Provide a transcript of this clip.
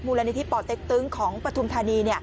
นิธิป่อเต็กตึงของปฐุมธานี